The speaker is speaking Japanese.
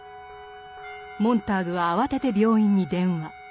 モンターグは慌てて病院に電話。